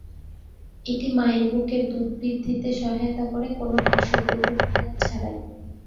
এটি মায়ের বুকের দুধ বৃদ্ধিতে সহায়তা করে কোন পার্শ্বপ্রতিক্রিয়া ছাড়াই।